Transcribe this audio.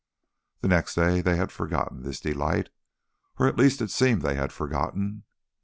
The next day they had forgotten this delight. Or at least, it seemed they had forgotten.